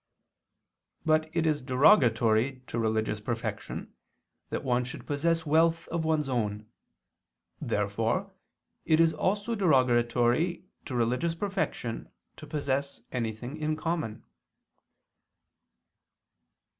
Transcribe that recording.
But it is derogatory to religious perfection that one should possess wealth of one's own. Therefore it is also derogatory to religious perfection to possess anything in common.